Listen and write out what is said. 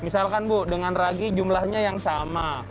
misalkan bu dengan ragi jumlahnya yang sama